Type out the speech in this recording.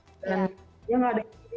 sama sekali sih yang meng tryin sama sekali sih